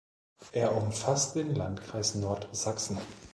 Er umfasst den Landkreis Nordsachsen.